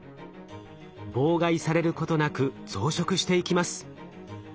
妨害されることなく増殖していきます。